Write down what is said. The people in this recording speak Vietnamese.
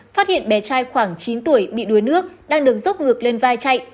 phát hiện bé trai khoảng chín tuổi bị đuối nước đang được dốc ngược lên vai chạy